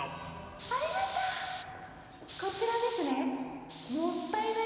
ありました、こちらですね。